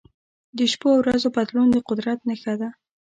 د شپو او ورځو بدلون د قدرت نښه ده.